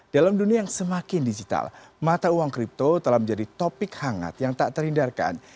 dalam dunia yang semakin digital mata uang kripto telah menjadi topik hangat yang tak terhindarkan